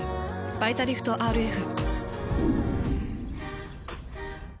「バイタリフトＲＦ」。